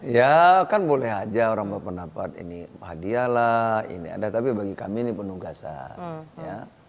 ya kan boleh saja orang orang pendapat ini hadiah lah ini ada tapi bagi kami ini penugasan